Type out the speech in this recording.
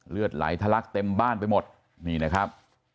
เลือดไหลทะลักเต็มบ้านไปหมดนี่นะครับ